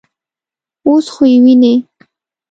_اوس خو يې وينې.